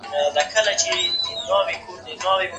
يوه شاعر د سپين كاغذ